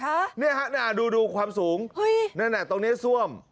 ฮะเนี่ยฮะน่ะดูดูความสูงเฮ้ยนั่นน่ะตรงเนี้ยซ่วม